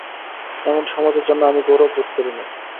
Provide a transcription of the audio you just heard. এমন সমাজের জন্যে আমি গৌরব বোধ করি নে।